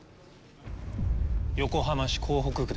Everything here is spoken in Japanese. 横浜市港北区です。